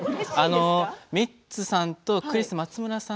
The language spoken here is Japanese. ミッツさんとクリス松村さん